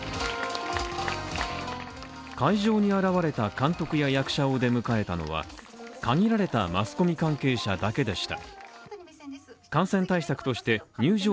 会場に現れた監督や役者を出迎えたのは、限られたマスコミ関係者だけでした。